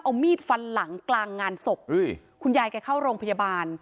เอามีดฟันหลังกลางงานศพคุณยายแกเข้าโรงพยาบาล